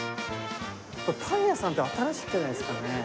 パン屋さんって、新しくないですかね。